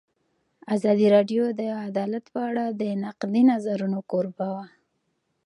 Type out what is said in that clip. ازادي راډیو د عدالت په اړه د نقدي نظرونو کوربه وه.